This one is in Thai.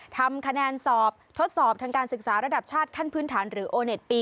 ทำคะแนนสอบทดสอบทางการศึกษาระดับชาติขั้นพื้นฐานหรือโอเน็ตปี